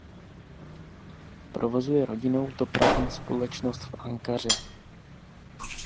Provozuje rodinnou dopravní společnost v Ankaře.